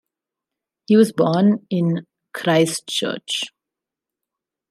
He was born in Christchurch.